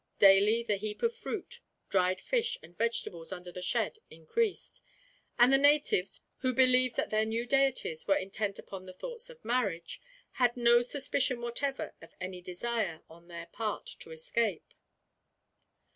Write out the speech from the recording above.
Daily the heap of fruit, dried fish, and vegetables under the shed increased; and the natives, who believed that their new deities were intent upon the thoughts of marriage, had no suspicion whatever of any desire, on their part, to escape.